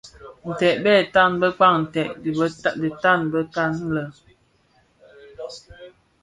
Nted bè tan bëkpan ntèd dhi tan bekan le.